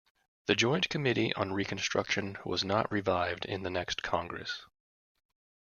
The Joint Committee on Reconstruction was not revived in the next Congress.